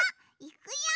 いくよ。